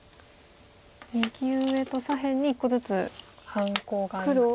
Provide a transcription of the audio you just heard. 右上と左辺に１個ずつ半コウがありますね。